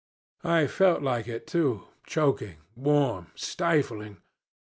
It felt like it too choking, warm, stifling.